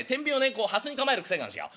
こうはすに構える癖があるんすよ。